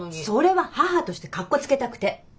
それは母としてかっこつけたくて。